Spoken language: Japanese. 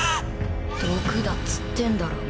毒だっつってんだろうが。